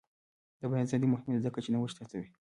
د بیان ازادي مهمه ده ځکه چې نوښت هڅوي.